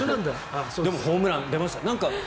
でもホームラン出ました。